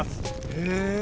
へえ。